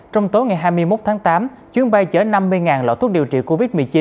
trong tối ngày hai mươi một tháng tám chuyến bay chở năm mươi lọ thuốc điều trị covid một mươi chín